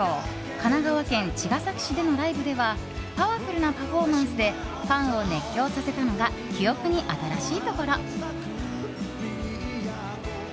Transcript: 神奈川県茅ヶ崎市でのライブではパワフルなパフォーマンスでファンを熱狂させたのが記憶に新しいところ。